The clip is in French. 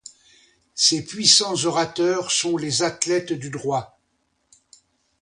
Ces puissants orateurs sont les athlètes du droit.